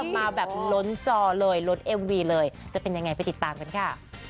มาแบบล้นจอเลยล้นเอ็มวีเลยจะเป็นยังไงไปติดตามกันค่ะ